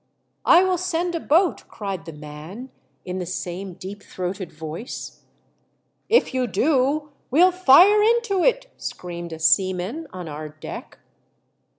" I will send a boat !" cried the man, in the same deep throated voice. *' If you do we'll fire into it!" screamed a seaman on our deck.